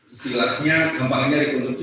istilahnya kembangannya rekonstruksi